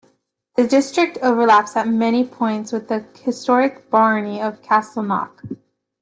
The district overlaps at many points with the historic barony of Castleknock.